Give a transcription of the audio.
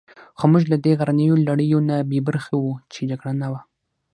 خو موږ له دې غرنیو لړیو نه بې برخې وو، چې جګړه نه وه.